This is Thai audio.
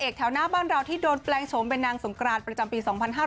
แถวหน้าบ้านเราที่โดนแปลงโฉมเป็นนางสงกรานประจำปี๒๕๕๙